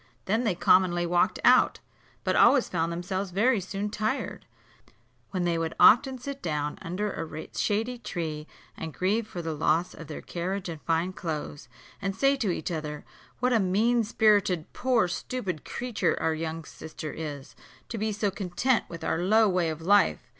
Then they commonly walked out; but always found themselves very soon tired; when they would often sit down under a shady tree, and grieve for the loss of their carriage and fine clothes, and say to each other, "What a mean spirited poor stupid creature our young sister is, to be so content with our low way of life!"